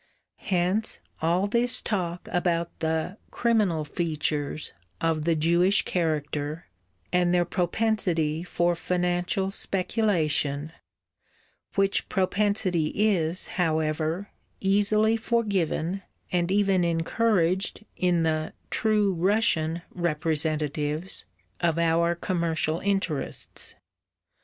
Hence, all this talk about the "criminal features" of the Jewish character and their propensity for financial speculation, which propensity is, however, easily forgiven and even encouraged in the "true Russian" representatives of our commercial interests.